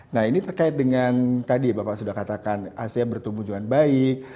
nah ini terkait dengan tadi ya bapak sudah katakan asean bertumbuhan baik